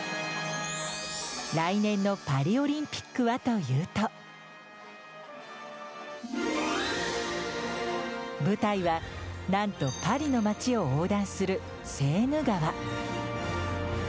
来年のパリオリンピックはというと舞台は、なんとパリの街を横断するセーヌ川。